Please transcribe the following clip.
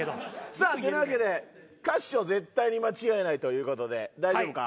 さあってなわけで歌詞を絶対に間違えないという事で大丈夫か？